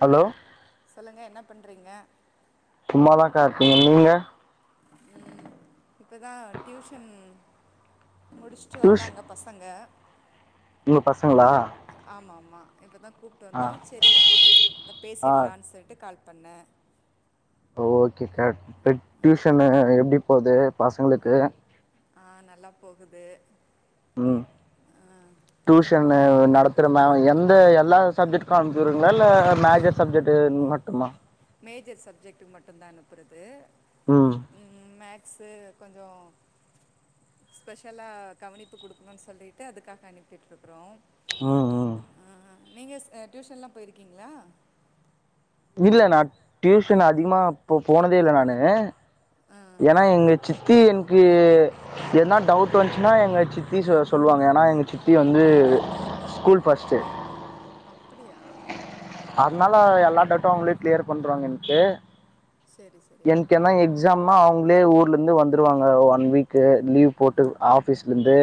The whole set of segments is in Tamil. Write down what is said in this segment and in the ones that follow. ஹலோ சொல்லுங்க என்ன பண்றீங்க மல்லாம் காத்தீங்க நீங்க [inaudible] உம் இப்பதான் டியூஷன் முடிச்சுட்டு வந்தாங்க பசங்க உங்க பசங்களா இப்பதான் கூப்பிட்டு வந்தோம் சரி பேசிடலாம்னு சொல்லிட்டு கால் பண்ண ஓகே டியூஷன் எப்படி போகுது பசங்களுக்கு ஆஹ் நல்லா போகுது உம் டியூஷன் நடத்துற எந்த எல்லா சப்ஜெக்ட் கானுச்சங்களா இல்ல மேஜர் சஜெக்ட் மட்டுமா மேஜர் சப்ஜெக்டுக்கு மட்டும்்தான் அனுப்புகிறது ஆஹ் மேக்ஸு கொஞ்சம் ஸ்பெஷலாக கவனிப்பு கொடுக்கணும்னு சொல்லிட்டு அதுக்காக அனுப்பிட்டுருக்குறோம் ஆஹ் ஆஹ் நீங்க டியூஷன் எல்லாம் போயிருக்கீங்களா இல்ல நான் டியூஷன் அதிகமா போனதே இல்லை நானு ஏன்னா எங்க சித்தி எனக்கு என்ன டவுட் வந்துச்சுன்னா எங்க சித்தி சொல்லுவாங்க ஏன்னா எங்க சித்தி வந்து ஸ்கூல் பஸ்ட் அதனால எல்லா டவுட்டும் அவுங்கலே கிளியர் பண்வுறாங்க எனக்கு சரி சரி அவங்களே ஊர்ல இருந்து வந்துருவாங்க ஒன் வீக் லீவ் போட்டு ஆபீஸ்ல இருந்து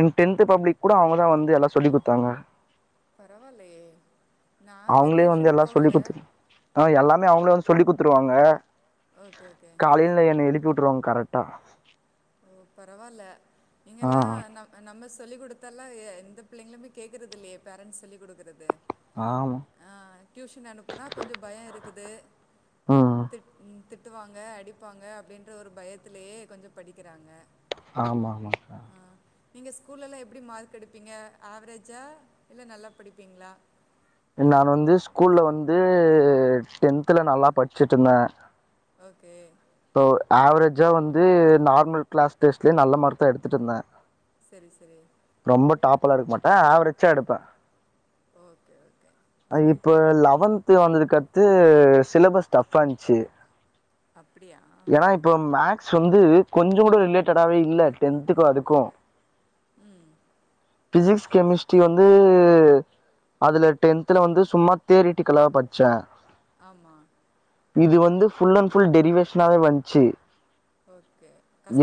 இன்ட்டின் பப்ளிக் கூட அவங்க தான் வந்து எல்லாம் சொல்லிக் கொடுத்தாங்க பரவாலயே நாங்க டியூஷன் போகல அவங்கள வந்து சொல்லி குத்துருவாங்க காலையில்ல என்ன எழுப்பி விட்டு விட்ரும் கரெக்டா ஓ பரவால இங்கல்லாம் ந நம்ம சொல்லி கொடுத்தாலா எந்த பிள்ளைங்களுமே கேட்கறது இல்லையே பேரண்ட்ஸ் சொல்லி கொடுக்குறது ஆஹ் டியூஷன் அனுப்புனா கொஞ்சம் பயம் இருக்கு இருக்குது [inaudible] த்துவாங்க அடிப்பாங்க அப்படின்ற ஒரு பயத்திலேயே கொஞ்சம் படிக்கிறாங்க ஆமா ஆமாக்கா நீங்க ஸ்கூல்லாம் எப்டி மார்க் எடுப்பீங்க ஆவரேஜா இல்ல நல்லா படிப்பீங்ளா நான் வந்து ஸ்கூல்ல வந்து டென்தல நல்லா படிச்சுட்டு இருந்தேன் ஓகே சோ ஆவரேஜா வந்து நார்மல் கிளாஸ் டெஸ்ட்லயே நல்ல மார்க் தா எடுத்துட்டுருந்தேன் சரி சரி டாப் எல்லா எடுக்க மாட்டேன் ஆவரேஜ்ஜா எடுப்பேன் [unintelligible] இப்போ லெவன்து வந்ததுக்கத்து சிலபஸ் டஃப்பா இருந்ச்சி அப்டியா ஏன்னா இப்ப மேக்ஸ் வந்து கொஞ்சம் கூட ரிலேட்டடாவே இல்ல டென்த்துக்கும் அதுக்கும் பிசிக்ஸ் கெமிஸ்ட்ரி வந்து அதுல டென்துல வந்து சும்மா தேயேரிட்டிகலா படிச்சேன் ஆமா இது வந்து ஃபுல் அன் ஃபுல் டெரிவேஷ் ஷணாவே வஞ்சி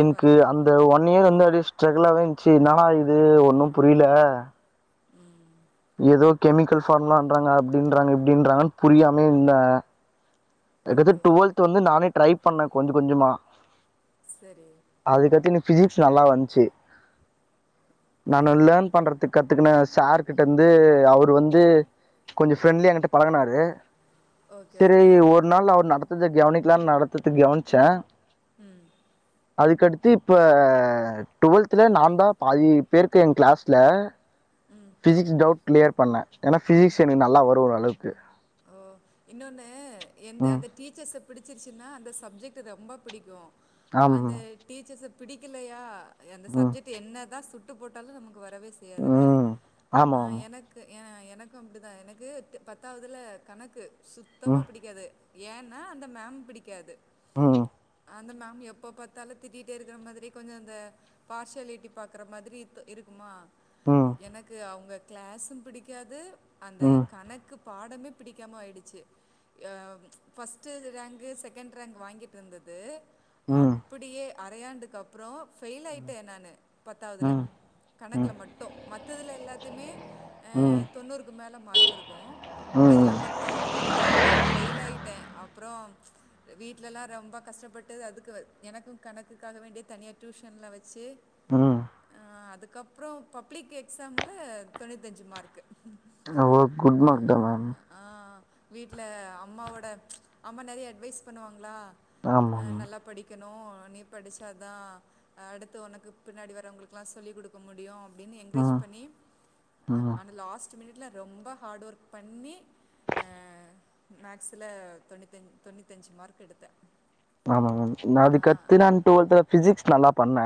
என்க்கு அந்த ஒன் இயர் வந்து அப்டியே ரெகுலரா இருஞ்சி என்னாடா இது ஒன்னும் புரில உம் ஏதோ கெமிக்கல் ஃபார்ம்லாண்றாங்க அப்டின்றாங்க இப்டின்றாங்கன்னு புரியாமே இருந்தேன் அடுத்து டுவெல்த் வந்து நானே ட்ரை பண்ணே கொஞ்சம் கொஞ்சமா அதுகத்தினு ஃபிசிக்ஸ் நல்லா வந்ச்சு நானு லேர்ன் பண்றதுக்கு கத்துக்னு சார்கிட்டந்து அவரு வந்து கொஞ்சம் ஃப்ரெண்ட்லியா என்கிட்ட பழகுனாரு ஓகே ஓகே நடத்துத கெவனிக்லானு நடத்துற்து கெவின்சேன் உம் அதுக்கடுத்து இப்ப டுவெல்த்ல நான் தான் பாதி பேருக்கு என் கிளாஸ்ல ஃபிசிக்ஸ் டவுட் கிளீயற் பண்ணே ஏன்னா ஃபிசிக்ஸ் எனக்கு நல்லா வரும் ஓரளவுக்கு ஓ இன்னொ அந்த ந்த எந்த அந்த டீச்சர்ஸ்ஸ பிடிச்சிருச்சுன்னா அந்த சப்ஜெக்டு ரொம்ப பிடிக்கு அந்த டீச்சர்ஸ்சு பிடிக்கலையா ய அந்த சப்ஜெக்ட் என்ன தான் சுட் டுப்போட்டாலும் நம் வரவே செய்யாதுல அ எனக்கு ஏ எனக்கு அப்டிதான் எனக்கு பத்தாவதுல கணக்கு சுத்தமா பிடிக்காது ஏன்னா அந்த மேம் பிடிக்காது அந்த மேம் எப்போ பாத்தாலு திட்டிட்டே இருக்குற மாரி கொஞ்ச இந்த பார்ஷாலிட்டி பாக்குற மாதிரி இருக்குமா எனக்கு அவுங்க க்ளாஸும் பிடிக்காது அந்த கணக்கு பா டமேப் பிடிக்காம ஆய்டுச்சு அ ஃபஸ்ட்டு ரேங்கு செகேண்ட் ரேங்கு வாங்கிட்ருந்தது அப்புடியே அரையாண்டுக்கப்றோ ஃபெயில் ஆய்ட்டே நானு பத்தாவ்துல கணக்குல மட்டு மத்ததுல எல்லாத்தைமே அ தொண்ணூறுக்கு மேல மார்க் இருக்கூ இதுல மட்டும் ரொம்ப ஃபெயில் ஆயிட்டே அப் அப்றோம் வீட்லலா ரொம்ப கஷ்டபட்டு அதுக்கு எனக்கு கணக்குக்காக வேண்டி தனியா டியூஷன்லா வச்சு ஆ ஆ அதுக்கப்றோ பப்ளிக் எக்ஸாம்ல தொண்ணூத்தஞ்சு மார்க்கு ஓ குட்‌ மார்க் தா மேம் வீட்ல அம்மாவோட அம்மா நெறைய அட்வைஸ் பண்ணுவாங்ளா அ நல்லா படிக்கணு நீ படிச்சாதா அடுத்து உனக்கு பின்னாடி வரவங்ளுக்குளா சொல்லி குடுக்க முடியு அ ப்டினு என்கரேஜ் பண்ணி அந்த லாஸ் ட்டு மினிட்ல ரொம்ப ஹார்ட் ஒர்க் பண்ணி அ மேக்ஸ்ல தொண்ணுத்தஞ் தொண்ணூத்தஞ்சு மார்க் எடுத்த ஆமாங்க நா அது கத்துநா டடுவெல்த்துல பிசிக்ஸ் நல்லா பண்ண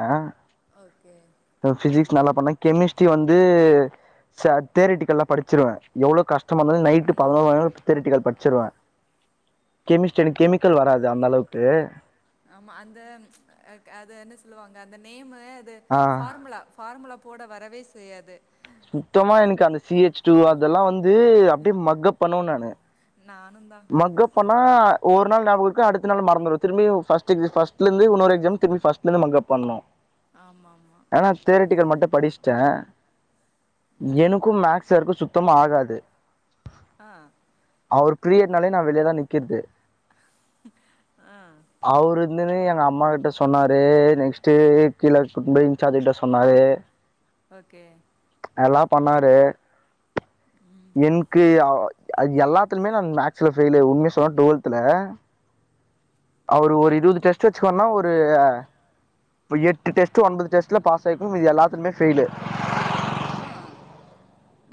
பிசிக்ஸ் நல்லா பண்ண கெமிஸ்ட்ரி வந்து ச தேரட்டிக்கல்லா படிச்சிருவே எவ்ளோ கஷ் டமா இருந்தாலு நைட்டு பதினோரு மணி நாளு தெரட்டிக்கள் பட் ச்சுருவே கெமிஸ்ட்ரி எனக்கு கெமிக்கல் வராது அந்த அளவுக்கு ஆமா அந்த அது என்ன சொ ல்லுவாங்க அந்த நேமு ஆ அது ஃபார்முலா ஃபார்முலா போட வரவே செய்யாது சுத்தமா எனக்கந்த சி ஹெச் டூ அந் இதல்லா வந்து அப்டியே மக்கப் பண்ணுவே நானு மக்கப் பண்ணா ஒரு நாள் ஞாபகருக்கு அடுத்த நாள் மறந்துரு திரும்பையு ஃபஸ்ட்டெ ஃபஸ்ட்லெந்து இன்னொரு எக்ஸாம் திரும்பியு ஃபஸ்ட்லெந்து மக்கப் பண்ணு ஆனா தேரட்டிக்கள் மட்ட படிச்ட்டே எனக்கு மேக்ஸ் சாருக்கு சுத்தமா ஆகாது ஆ அவரு ப்ரியட்னாலே நா வெளிய தா நிக்கிற்து ஆ [unintelligible] எங்க அம்மா கிட்ட சொன்னாரு நெக்ஸ்ட்டு கீழ கூட்னு போய் இன்சார்ஜ் கிட்ட சொன்னாரு ஓகே எல்லா பண்ணாரு என்க்கு அ எல்லாத்துலுமே நா மேக்ஸ்ல ஃபெயிலு உண்மைய சொனா டுவெல்த்துல அவர் ஒரு இருவது டெஸ்ட் வச்சாருனா ஒரு எட்டு டெஸ்ட்டு ஒன்பது டெஸ்ட்ல பாஸ் ஆயிருக்கும் மீதி எல்லாத்துலமே ஃபெயிலு ஆ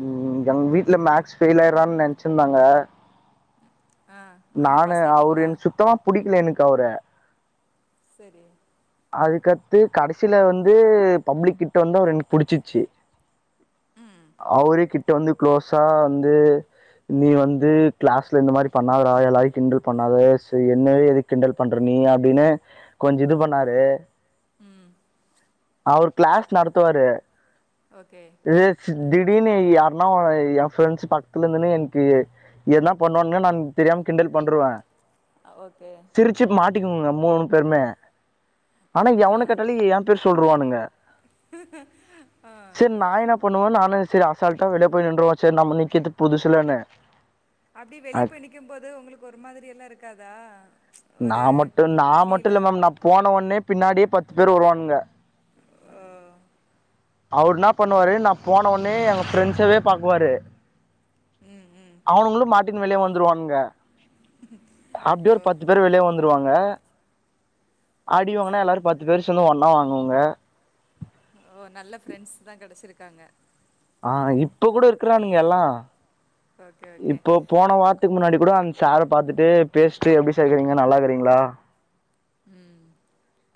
உம் எங்க வீட்ல மேக்ஸ் ஃபெயில் ஆய்றான் நென்ச்சிந்தாங்க நானு அவருன் சுத்தமா புடிக்கல எனக் க்கு அவர செரி அதுக்கத்து கடைசில வந்து பப்ளிக் கிட்ட வந்து அவர் எனக்கு புடிச்சிச்சு அவரே கிட்ட வந்து க்ளோஸா வந்து நீ வந்து கிளாஸ்ல இந்த மாரி பண்ணாதடா எல்லாரையு கிண்டல் பண்ணாத என்னவே எதுக் கிண்டல் பண்ற நீ அப்டினு கொஞ்ச இது பண்ணாரு அவரு க்ளாஸ் நடத்துவாரு ஓகே திடீனு யாருனா ஏ ப்ரெண்ட்ஸு பக்கத்துல இருந்துன்னு என்க்கு எதுனா பண்ணுனெ நா தெரியாம கிண்டல் பண்ருவே சிரிச்சு மாட்டிக்குங்க மூணு பேருமே ஆனா எவன கேட்டாலு ஏ பேர் சொல்ருவானுங்க ஆ [unintelligible] நானு செரி அசால்ட்டா வெளிய போய் நின்றுவ செரி நம்ம நிக்கது புதுசிலனு அப்டி வெளிய போய் நிக்கும் போது உங்களுக்கு ஒரு மாதிரி எல்லா இருக்காதா நா மட்டு நா மட்டு இல்ல மேம் நா போன ஒன்னே பின்னாடியே பத்து பேர் வருவானுங்க அவருனா பண்ணுவாரு நா போன ஒன்னே எங்க ஃப்ரெண்ட்ஸவே பாக்குவாரு அவனுங்களு மாட் ட்டின் வெளிய வந்துருவானுங்க அப்டியே ஒரு பத்து பேரு வெளிய வந்துருவாங்க அடி வாங்குனா எல்லார் பத்து பேர் சொந்து ஒன்னா வாங்க னூங்க நல்ல ஃப்ரண்ட்ஸ் தா கெடச்சிருக்காங்க ஆ இப்ப கூட இருக்குறானுங்க எல்லா இப்போ போன வாரத்துக்கு முன்னாடி கூட அந் சார பாத்துட்டு பேசிட்டு எப்டி சார் இருக்கிறீங்க நல்லாகுறீங்களா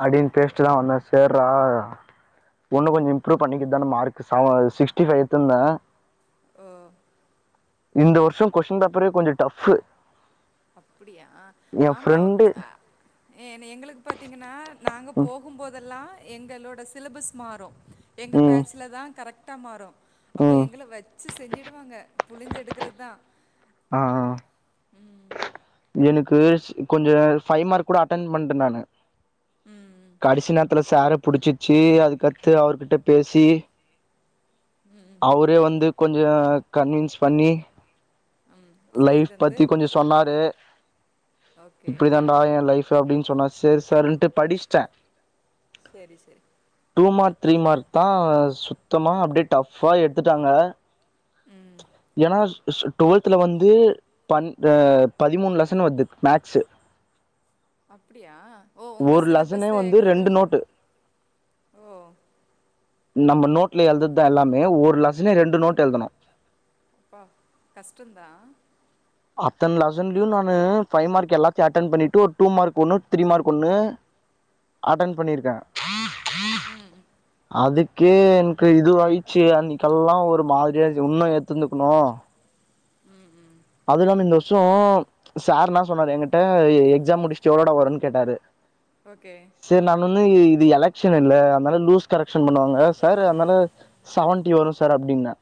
அடீன் பேசிட்டு தா வந்தே சார் எப்பிரா ஒன்னு கொஞ்ச இம்ப்ரூவ் பண்ணிக்கிது தான மார்க்கு சவ சிக்ஸ்டி ஃபை எத்துந்தே ஓ இந்த வருஷொ‌கொஷின் பேப்பரே கொஞ்ச டஃப்ஃபு அப்புடியா ஆமா என எங்களுக்கு பாத்தீங்கன்னா நாங்க போகும்போதெல்லா எங்களோட சிலபஸ் மாறு எங்க பேச்ல தா கரெக்ட் கரைக்டா மாறு அப்போ எங்களை வச்சு செஞ்சடுவாங்க புழிஞ்சு எடுக்கறது தான் ஆஹ் ஹ உம் எனக்கு ச்சு கொஞ்சம் ஃபைவ் மார்க் கூட அட்டென் பண்ணிடேன் நானு கடசி நேரத்துல சேர்ர புடிச்சிச்சு அதுக்கத்து அவர்கிட்ட பேசி அவரே வந்து கொஞ்சம் கன்வின்ஸ் பண்ணி லைஃப் பத்தி கொஞ்சம் சொன்னாரு இப்படி தான்டா என் லைஃப் அப்படின்னு சொன்னா சரி சார்ட்டு படிச்ட்டேன் சரி சரி டூ மார்க் த்ரி மார்க் தான் சுத்தமா அப்படியே டஃவா எடுத்துட்டாங்க என்னா சு ஸ்ட்டோல் த்ததுலவந்து பன் எ பதிமூணு லெசன் வருது மேக்ஸ்சு அப்படியா ஒ உங்க சிலபஸ்ஸே எங்களுக்கு ஒ நம்ம நோட்ல எழுதுதான் எல்லாமே ஒரு லெசனே ரெண்டு நோட் எழுதனும் அப்பா கஷ்டம்தான் அத்தன லெசன்லயும் நான் ஃபைவ் மார்க் எல்லாத்தையும் அட்டன் பண்ணிட்டு ஒரு டூ மார்க் ஒன்னு த்ரீ மார்க் ஒன்னு அட்டன் பண்ணியிருக்கேன் உம் அதுக்கே எனக்கு இதுவாயிச்சு அன்னைக்கெல்லாம் ஒரு மாதிரியா உன்னும் எத்துந்துக்கணும் அது இல்லாம இந்த வருஷம் சார்னா சொன்னாரு என்கிட்ட எக்ஸாம் முடிச்சுட்டு எவ்ளோட வரும்னு கேட்டாரு சரி நான் ஒண்ணு இது எலெக்ன் இல்ல அதனால லூஸ் கரெக்ஷன் பண்ணுவாங்க சார் அதனால செவன்டி வரும் சார் அப்டின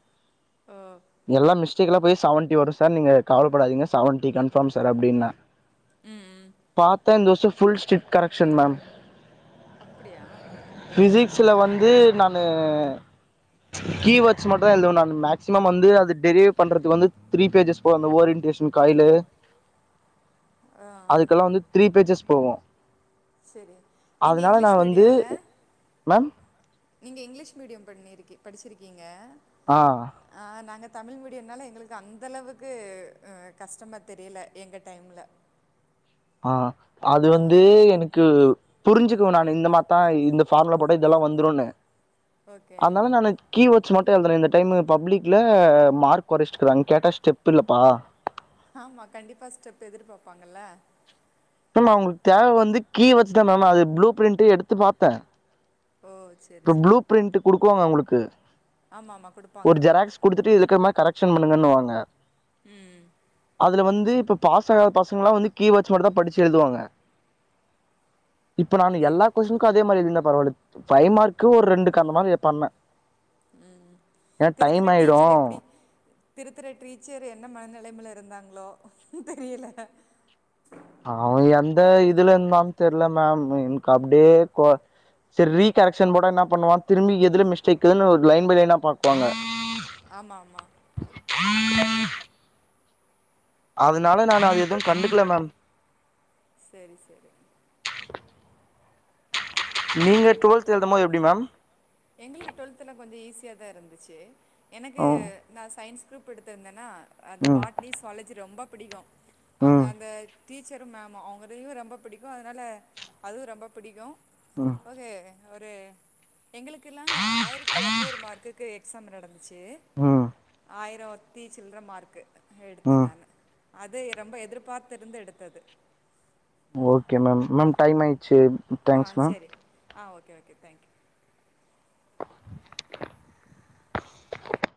எல்லாம் மிஷ் டேக்லா போய் செவன்டி வரும் சார் நீங்க கவலைப்படாதீங்க செவன்டி கன்ஃபார்ம் சார் அப்படின்ன பாத்த இந்த வருஷப் ஃபுல் ஸ்ட்ரீட் கரெக்ஷன் மேம் அப்படியா மேக்ஸ் ல வந்து நானு கீவேர்ட்ஸ் மட்டும் எழுதுவேன் நானு மேக்சிமம் வந்து அது டிரேவ் பண்றதுக்கு வந்து த்ரி பேஜஸ் போ அந்த ஓரியன்டேஷன் காயிலு அதுக்கெல்லாம் வந்து த்ரீ பேஜஸ் போவோம் சரி நீங்க இங்கிலீஷ் மீடியம்ல நீங்க இங்கிலீஷ் மீடியம் பண்ணியிருக்கு படிச்சிருக்கீங்க ஆஹ் நாங்க தமிழ் மீடியம்னால எங்களுக்கு அந்த அளவுக்கு அ கஷ்டமா தெரியல எங்க டைம்ல ஆ அது வந்து எனக்கு புரிஞ்சுக்குவே நானு இந்த மாரிதா இந்த ஃபார்முலா போட்டா இதெல்லா வந்துருன்னு அதனால நானு கீ வேர்ட்ஸ் மட் ட்டு எழுதுன இந்த டைம் பப்ளிக்ல மார்க் கொறைச்சிட்ருக்கறாங்க கேட்டா ஸ்டெப் இல்லப்பா ஆமா கண்டிப்பா ஸ்டெப் எதிர்பாப்பாங்கல்ல மேம் அவங்களுக்கு தேவ வந்து கீ வேர்ட்ஸ்தா மேம் அது ப்ளூ பிரிண்ட்டே எடுத்து பாத்தே ஓ செரி செரி குடுக்குறாங்க அவுங்களுக்கு ஒரு ஜெராக்ஸ் குடுத்துட்டு இதுல இருக்கற மாரி கரெக் ஷன் பண்ணுங்கன்னுவாங்க உம் இதுல வந்து இப்ப பாஸ் ஆகற பசங்கல்லா வந்து கீ வேர்ட்ஸ் மட்டுந்தா படிச் சு எழுதுவாங்க இப்ப நானு எல்லா கொஷ்னுக்கு அதே மாரி எழுதிருந்த பரவால்ல ஃபைவ் மார்க்கு ஒரு ரெண்டு க அந்த மாரி எப்பமே ஏன்னா டைம் ஆயிடு திருத்தற டீச்சர் என்ன மனநிலைமல இருந்தாங்களோ தெரியல அவுங்க எந்த இதுல இருந்தாங்னு தெரில மேம் எனக்கு அப்டியே கோ செரி ரீ கரெக்ஷன் போட்டா என்ன பண்ணுவா திரும்பி எதுல மிஸ்டேக்குன்னு லைன் பை னா பாக்குவாங்க ஆமா ஆமா அதனால நானு அது எதுவு கண்டுக்கல மேம் செரி செரி உ நீங்க டுவெல்த் எழுதும்போது எப்டி மேம் எங்களுக்கு டு்வெல்த் எல்லா கொஞ்ச ஈஸியாதா இருந்துச்சு எனக்கு நா சயின்ஸ் குரூப் எடுத்திருந்தேன்னா அது பாட்னி ஸுவாலஜி ரொம்ப பிடிக்கு அவங்க அந்த டீச்சரும் மேமும் அவங்களயு ரொம்ப பிடிக்கும் அதனால அதுவு ரொம்ப பிடிக்கு ஓகே ஒரு எங்களுக்கெல்லா ஆயிரத்தி எரநூறு மார்க்குக்கு எக்ஸாம் நடந்துச்சு ஆயிரத்தி சில்ற மார்க்கு எடுத்தே நானு அது ரொம்ப எதிர்பாத்திருந்து எடுத்தது ஓகே மேம் மேம் டைம் ஆயிடுச்சு thanks ma'am okay okay thank you